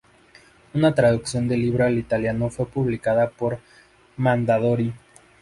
Una traducción del libro al italiano fue publicada por Mondadori.